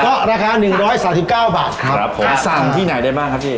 ก็ราคาหนึ่งร้อยสามสิบเก้าบาทครับผมสั่งที่ไหนได้บ้างครับพี่